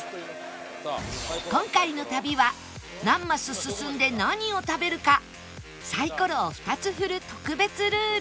今回の旅は何マス進んで何を食べるかサイコロを２つ振る特別ルール